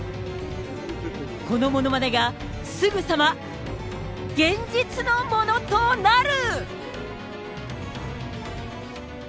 このものまねが、すぐさま現実のものとなる。